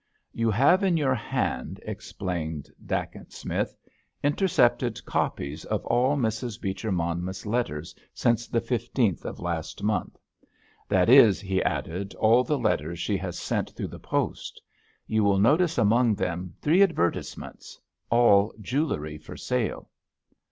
"You have in your hand," explained Dacent Smith, "intercepted copies of all Mrs. Beecher Monmouth's letters since the fifteenth of last month. That is," he added, "all the letters she has sent through the post. You will notice among them three advertisements—all jewellery for sale."